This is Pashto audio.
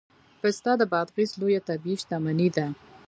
پسته د بادغیس لویه طبیعي شتمني ده